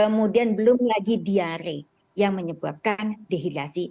kemudian belum lagi diare yang menyebabkan dehidrasi